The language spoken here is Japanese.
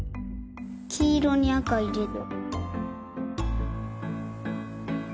きいろにあかいれる。